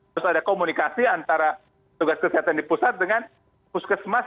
terus ada komunikasi antara tugas kesehatan di pusat dengan puskesmas